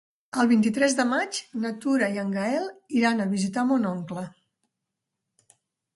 El vint-i-tres de maig na Tura i en Gaël iran a visitar mon oncle.